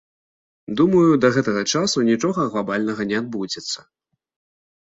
Думаю, да гэтага часу нічога глабальнага не адбудзецца.